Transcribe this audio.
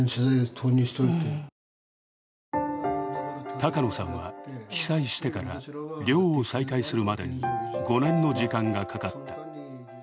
高野さんは被災してから漁を再開するまでに５年の時間がかかった。